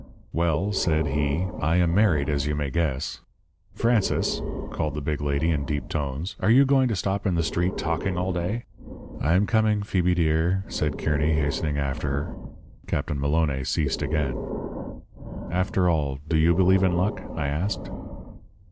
"'Well,' said he, 'I am married, as you may guess.' "'Francis!' called the big lady, in deep tones, 'are you going to stop in the street talking all day?' "'I am coming, Phoebe dear,' said Kearny, hastening after her." Captain Maloné ceased again. "After all, do you believe in luck?" I asked.